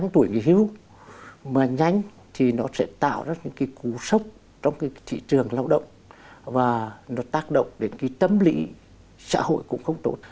thị trường lao động tác động đến tâm lý xã hội cũng không tốt